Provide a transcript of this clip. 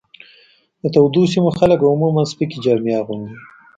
د تودو سیمو خلک عموماً سپکې جامې اغوندي.